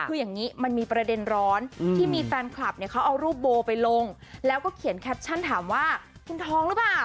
คืออย่างนี้มันมีประเด็นร้อนที่มีแฟนคลับเนี่ยเขาเอารูปโบไปลงแล้วก็เขียนแคปชั่นถามว่าคุณท้องหรือเปล่า